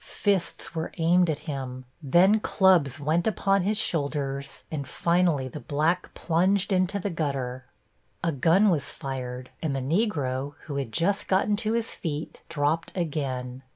Fists were aimed at him, then clubs went upon his shoulders, and finally the black plunged into the gutter. A gun was fired, and the Negro, who had just gotten to his feet, dropped again.